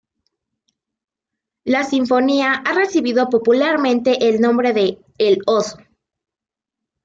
La sinfonía ha recibido popularmente el nombre de "el oso".